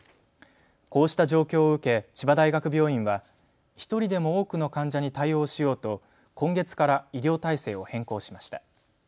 こうした状況を受け、千葉大学病院は１人でも多くの患者に対応しようと今月から医療体制を変更しました。